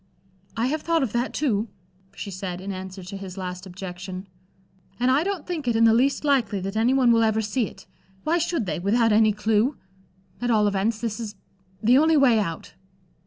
"I have thought of that, too," she said, in answer to his last objection, "and I don't think it in the least likely that any one will ever see it. Why should they, without any clue? At all events, this is the only way out."